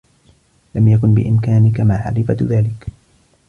لم يكن بإمكانك معرفة ذلك.